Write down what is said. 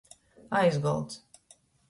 Aizgolds.